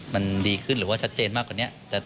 มันดีขึ้นหรือว่าชัดเจนมากกว่านี้